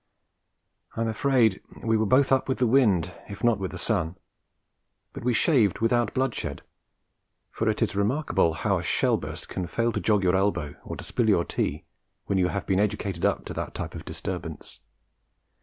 I am afraid we were both up with the wind, if not with the sun. But we shaved without bloodshed; for it is remarkable how a shell burst can fail to jog your elbow, or to spill your tea, when you have been educated up to that type of disturbance.